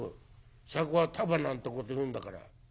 『酌は髱』なんてこというんだから」。